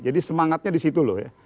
jadi semangatnya disitu loh ya